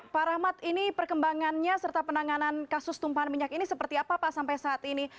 pak rahmat ini perkembangannya serta penanganan kasus tumpahan minyak ini seperti apa pak sampai saat ini